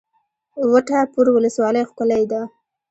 وټه پور ولسوالۍ ښکلې ده؟